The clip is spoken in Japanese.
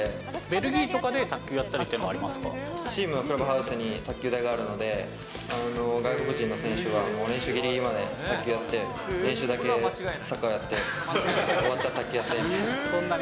ベルギーとかで卓球やったりチームのクラブハウスに卓球台があるので、外国人の選手はもう練習ぎりぎりまで卓球やって、練習だけサッカーやって、終わったら卓球やってみたいな。